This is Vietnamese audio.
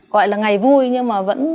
gọi là ngày vui nhưng mà vẫn